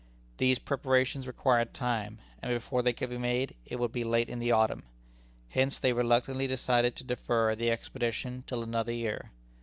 These preparations required time, and before they could be made, it would be late in the autumn. Hence they reluctantly decided to defer the expedition till another year.